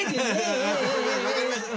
分かりました。